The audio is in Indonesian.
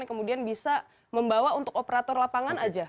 yang kemudian bisa membawa untuk operator lapangan aja